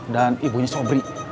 dan ibunya sobri